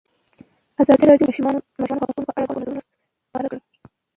ازادي راډیو د د ماشومانو حقونه په اړه د خلکو نظرونه خپاره کړي.